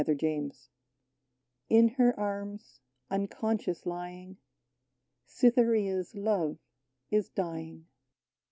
31 AUTUMN Tn her arms unconscious lying, Cytherea's love is dying.